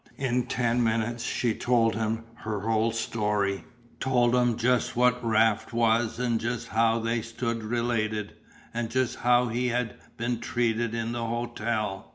In ten minutes she told him her whole story, told him just what Raft was and just how they stood related, and just how he had been treated in the hotel.